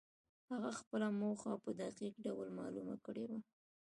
هغه خپله موخه په دقيق ډول معلومه کړې وه.